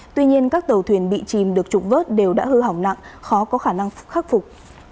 tuy nhiên các tàu thuyền bị chìm được trục vớt đều đã hư hỏng nặng khó có khả năng khắc phục